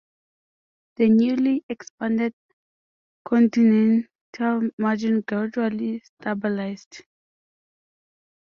The newly expanded continental margin gradually stabilized.